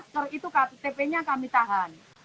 kalau yang tidak pakai mask itu ktp nya kami tahan